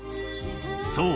そう。